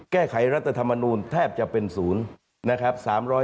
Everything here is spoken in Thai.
แก้ไขรัฐธรรมนูลแทบจะเป็นศูนย์นะครับ